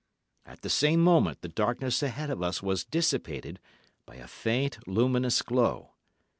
At the same moment the darkness ahead of us was dissipated by a faint, luminous glow.